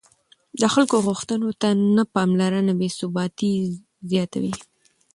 د خلکو غوښتنو ته نه پاملرنه بې ثباتي زیاتوي